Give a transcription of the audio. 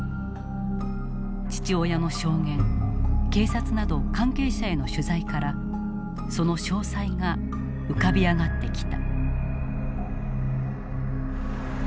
父親の証言警察など関係者への取材からその詳細が浮かび上がってきた。